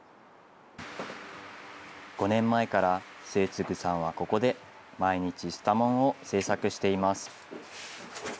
５年前から末次さんはここで毎日、スタモンを製作しています。